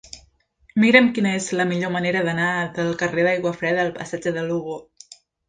Mira'm quina és la millor manera d'anar del carrer d'Aiguafreda al passatge de Lugo.